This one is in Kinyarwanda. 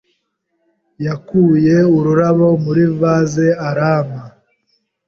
Yakuye ururabo muri vase arampa.